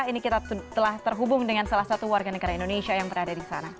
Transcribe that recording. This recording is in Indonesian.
ini kita telah terhubung dengan salah satu warga negara indonesia yang berada di sana